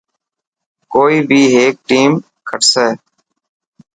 ڪوئي بي هيڪ ٽيم کٽسي.